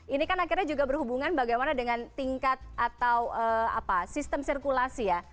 ini kan akhirnya juga berhubungan bagaimana dengan tingkat atau sistem sirkulasi ya